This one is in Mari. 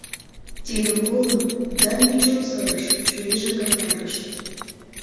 Тидым колын, Даник чот сырыш, чурийже какаргыш